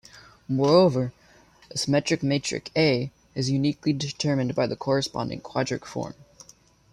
Moreover, a symmetric matrix "A" is uniquely determined by the corresponding quadratic form.